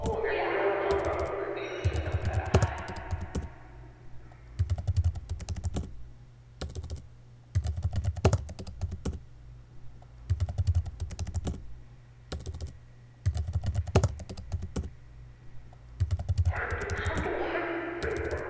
これはちょっとあとで栗きんとんからはいこれってお砂糖入ってんのかな？